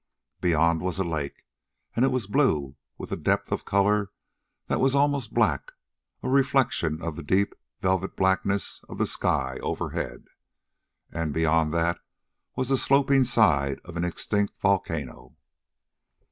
Beyond was a lake, and it was blue with a depth of color that was almost black, a reflection of the deep, velvet blackness of the sky overhead. And beyond that was the sloping side of an extinct volcano.